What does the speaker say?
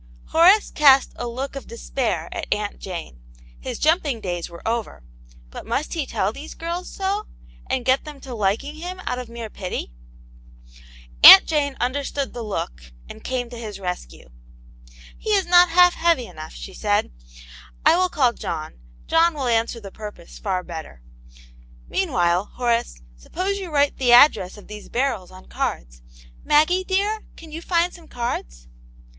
67 • Horace cast a look of despair at Aunt Jane : his jumping days were over: but* must he tell these girls so, and get them to liking him out of mere pity ? Aunt Jane understood the look, and came to his rescue. " He is not half heavy enough," she said ;" I will call John ; John will answer the purpose far better. Meanwhile, Horace, suppose you write the address of these br.ri:ls on cards. Maggie, dear, can you find some cards